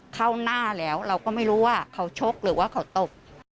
เข้าหน้าแล้วเราก็ไม่รู้ว่าเขาชกหรือว่าเขาตบ